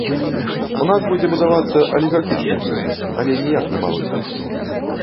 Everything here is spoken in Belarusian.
У нас будзе будавацца алігархічны бізнес, але ніяк не малы.